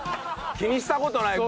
気にした事ない。